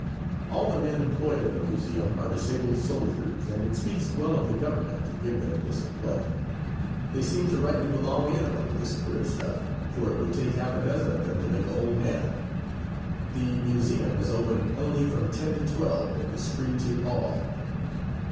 All the men employed at the museum are disabled soldiers, and it speaks well of the government to give them this employment. They seem to rightly belong in among this queer stuff, for it would take half a dozen of them to make a whole man. The museum is open only from ten to twelve, and is free to all.